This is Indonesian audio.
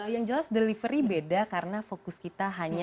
yang jelas delivery beda karena fokus kita hanya